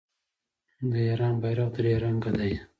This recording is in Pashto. د ایران بیرغ درې رنګه دی.